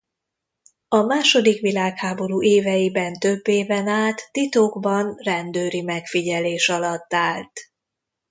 A második világháború éveiben több éven át titokban rendőri megfigyelés alatt állt.